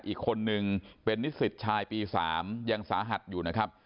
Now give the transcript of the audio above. อีกคนนึงเป็นนิสิตชายปี๓ยังสาหัสอยู่นะครับ